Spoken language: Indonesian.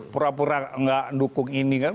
pura pura nggak dukung ini kan